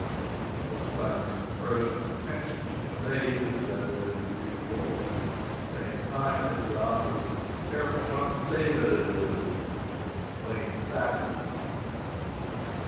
Sometimes the impression intentionally conveyed is that it is beautiful, at the same time that the author is careful not to say that it is, in plain Saxon.